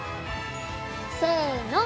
せの！